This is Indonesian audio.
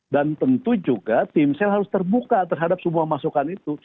dan tentu juga timsel harus terbuka terhadap semua masukan itu